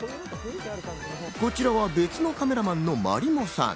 こちらは別のカメラマンのＭａｒｉｍｏさん。